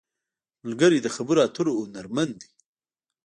ملګری د خبرو اترو هنرمند دی